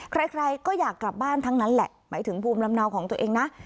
ใครก็อยากกลับบ้านทั้งนั้นแหละหมายถึงภูมิลำเนาของตัวเองนะ